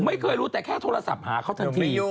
ไม่เคยรู้แต่แค่โทรศัพท์หาเขาทันที